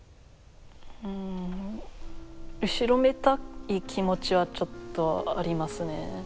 うん後ろめたい気持ちはちょっとありますね。